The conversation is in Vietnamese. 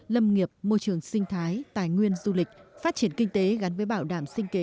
lâm nghiệp môi trường sinh thái tài nguyên du lịch phát triển kinh tế gắn với bảo đảm sinh kế